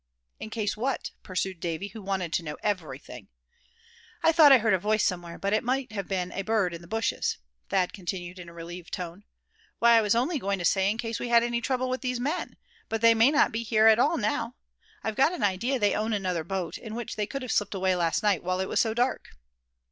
"In case, what?" pursued Davy, who wanted to know everything. "I thought I heard a voice somewhere, but it might have been a bird in the bushes," Thad continued, in a relieved tone. "Why, I was only going to say in case we had any trouble with these men. But they may not be here at all now. I've got an idea they own another boat, in which they could have slipped away last night while it was so dark."